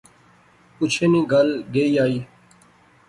پچھے نی گل گئی آئی